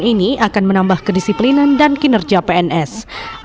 ini akan menambah kedisiplinan dan kinerja pns